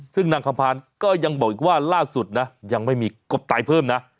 ซึ่งนางคำพานก็ยังบอกอีกว่าล่าสุดนะยังไม่มีกบตายเพิ่มนะ